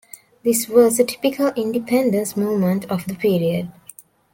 This was a typical independence movement of the period.